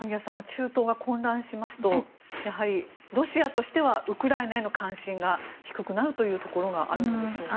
中東が混乱しますとやはりロシアとしてはウクライナへの関心が低くなるというところがあるのでしょうか。